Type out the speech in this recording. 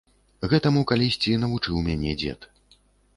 Гэтаму калісьці навучыў мяне дзед.